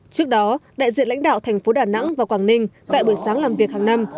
trước đó đại diện lãnh đạo thành phố đà nẵng và quảng ninh tại buổi sáng làm việc hàng năm